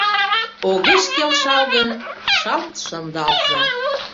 Огеш келшал гын, шалт шындалза.